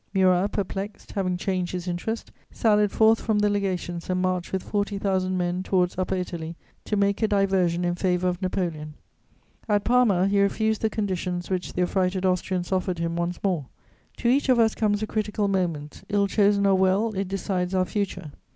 Murat, perplexed, having changed his interest, sallied forth from the Legations and marched with forty thousand men towards Upper Italy to make a diversion in favour of Napoleon. At Parma, he refused the conditions which the affrighted Austrians offered him once more: to each of us comes a critical moment; ill chosen or well, it decides our future.